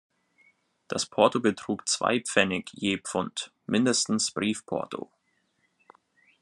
Das Porto betrug zwei Pfennig je Pfund, mindestens Briefporto.